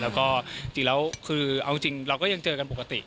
แล้วก็จริงแล้วคือเอาจริงเราก็ยังเจอกันปกติ